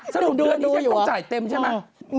สนุนเตือนนี้จะเข้าใจเต็มใช่ไหม